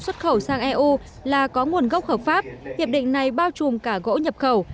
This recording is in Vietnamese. xuất khẩu sang eu là có nguồn gốc hợp pháp hiệp định này bao trùm cả gỗ nhập khẩu